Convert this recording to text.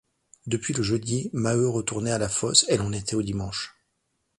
Depuis le jeudi, Maheu retournait à la fosse, et l’on était au dimanche.